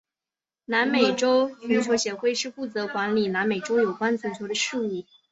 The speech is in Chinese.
南美洲足球协会是负责管理南美洲有关足球的事务。